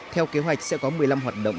theo kế hoạch sẽ có một mươi năm hoạt động